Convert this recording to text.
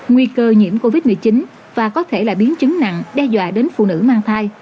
nguy cơ nhiễm covid một mươi chín và có thể là biến chứng nặng đe dọa đến phụ nữ mang thai